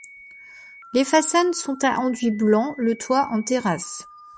Les façades sont à enduit blanc, le toit en terrasse.